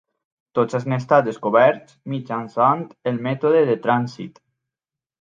Tots han estat descoberts mitjançant el mètode de trànsit.